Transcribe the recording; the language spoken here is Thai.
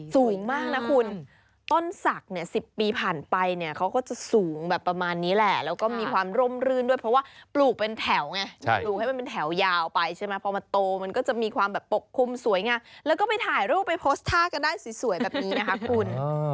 สูงมากนะคุณต้นศักดิ์เนี่ย๑๐ปีผ่านไปเนี่ยเขาก็จะสูงแบบประมาณนี้แหละแล้วก็มีความร่มรื่นด้วยเพราะว่าปลูกเป็นแถวไงปลูกให้มันเป็นแถวยาวไปใช่ไหมพอมันโตมันก็จะมีความแบบปกคลุมสวยงามแล้วก็ไปถ่ายรูปไปโพสต์ท่ากันได้สวยแบบนี้นะคะคุณ